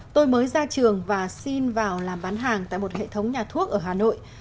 tôi mới ra trường và xin vào làm bán hàng tại một hệ thống nhà thuốc ở hà nội